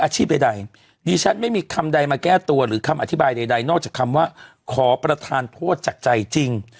ใดดิฉันไม่มีคำใดมาแก้ตัวหรือคำอธิบายใดนอกจากคำว่าขอประทานโทษจากใจจริง